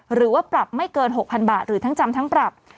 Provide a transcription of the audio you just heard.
หรือว่าปรับไม่เกิน๖๐๐๐บาทหรือทั้งจำทั้งปรับ